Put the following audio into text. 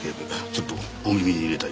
ちょっとお耳に入れたい事が。